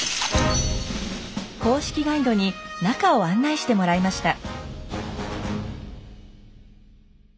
公式ガイドに中を案内してもらいました。